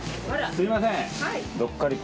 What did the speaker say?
すいません。